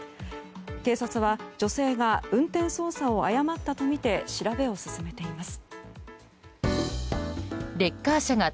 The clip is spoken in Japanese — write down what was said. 警察は、女性が運転操作を誤ったとみて調べを進めています。